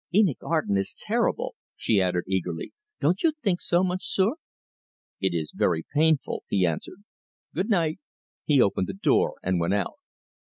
"Enoch Arden is terrible," she added eagerly. "Don't you think so, Monsieur?" "It is very painful," he answered. "Good night." He opened the door and went out.